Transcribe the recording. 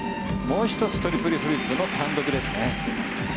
もう１つトリプルフリップの単独ですね。